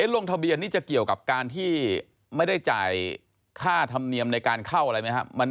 ลงทะเบียนนี่จะเกี่ยวกับการที่ไม่ได้จ่ายค่าธรรมเนียมในการเข้าอะไรไหมครับ